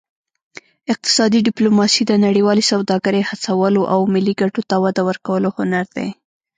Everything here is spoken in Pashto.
اقتصادي ډیپلوماسي د نړیوالې سوداګرۍ هڅولو او ملي ګټو ته وده ورکولو هنر دی